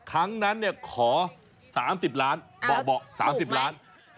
ครั้งนั้นเนี่ยขอสามสิบล้านเบาะสามสิบล้านถูกไหม